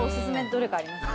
どれかあります？